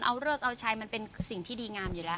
เอาเลิกเอาชัยมันเป็นสิ่งที่ดีงามอยู่แล้ว